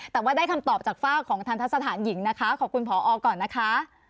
แต่ว่าได้คำตอบจากฝากของทันทะสถานหญิงนะคะขอบคุณพอก่อนนะคะ